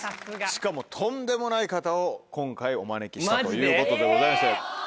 しかもとんでもない方を今回お招きしたということでございまして。